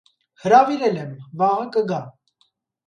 Հրավիրել եմ, վաղը կգա: